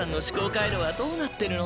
回路はどうなってるの？